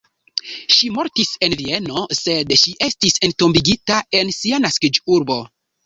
Ŝi mortis en Vieno, sed ŝi estis entombigita en sia naskiĝurbo.